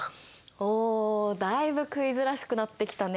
おおだいぶクイズらしくなってきたね。